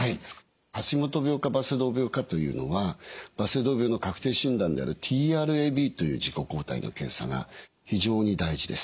橋本病かバセドウ病かというのはバセドウ病の確定診断であるＴＲＡｂという自己抗体の検査が非常に大事です。